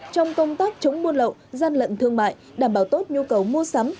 trong công tác chống buôn lậu gian lận thương mại đảm bảo tốt nhu cầu mua sắm